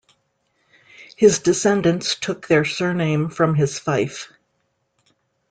His descendents took their surname from his fief.